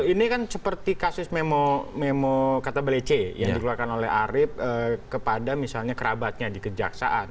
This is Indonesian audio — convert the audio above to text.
ini kan seperti kasus memo kata belice yang dikeluarkan oleh arief kepada misalnya kerabatnya di kejaksaan